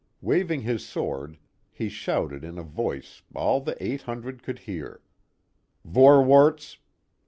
Waving his sword, he shouted in a voice all the eight hundred could hear, " Vor warts!"